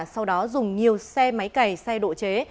sau đó dùng nhiều xe máy cày xe độ chế